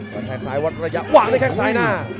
กระแทกซ้ายวัดระยะวางด้วยแข้งซ้ายหน้า